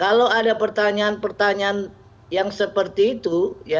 kalau ada pertanyaan pertanyaan yang seperti itu